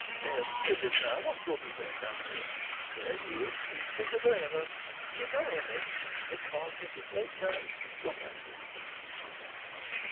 There's Swithin, now. What good have they done him? There he is; he's bigger than ever; he's enormous; they can't get his weight down. Look at him!"